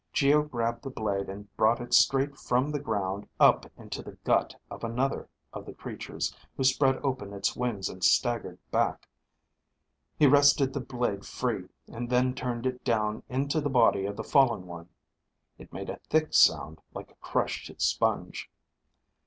Geo grabbed the blade and brought it straight from the ground up into the gut of another of the creatures who spread open its wings and staggered back. He wrested the blade free, and then turned it down into the body of the fallen one; it made a thick sound like a crushed sponge.